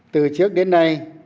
từ trước đến nay